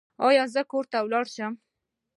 ایا زه کور ته لاړ شم؟